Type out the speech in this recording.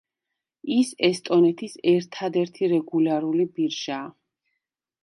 ის ესტონეთის ერთადერთი რეგულარული ბირჟაა.